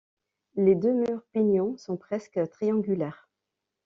Les deux murs pignons sont presque triangulaires.